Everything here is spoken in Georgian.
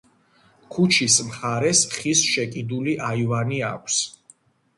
ქუჩის მხარეს ხის შეკიდული აივანი აქვს.